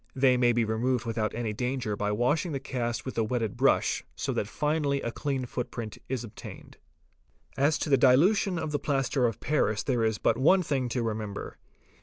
They may be — removed without any danger by washing the cast with a wetted brush, so | that finally a clean footprint is obtained, REPRODUCTION OF FOOTPRINTS 547 B As to the dilution of the plaster of paris there is but one thing to re member.